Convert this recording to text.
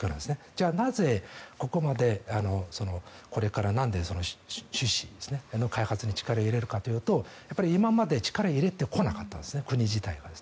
じゃあ、なぜ、ここまでこれから種子の開発に力を入れるかというと今まで力を入れてこなかったんです国自体が。